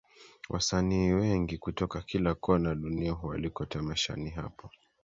Wasanii wengi kutoka kila Kona ya dunia hualikwa tamashani hapo